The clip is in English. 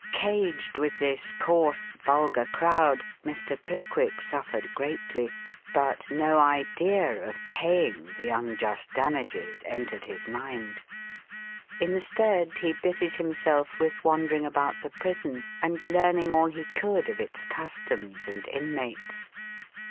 Caged with this coarse, vulgar crowd, Mr. Pickwick suffered greatly, but no idea of paying the unjust damages entered his mind. Instead, he busied himself with wandering about the prison and learning all he could of its customs and inmates.